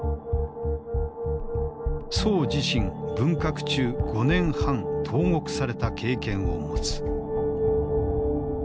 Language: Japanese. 宋自身文革中５年半投獄された経験を持つ。